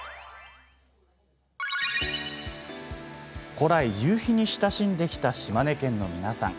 古来、夕日に親しんできた島根県の皆さん。